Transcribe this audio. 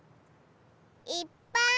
いっぱい！